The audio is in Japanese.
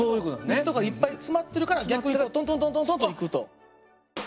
水とかいっぱい詰まってるから逆にトントントントンと行くと。